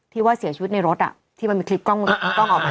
ว่าเสียชีวิตในรถที่มันมีคลิปกล้องออกมา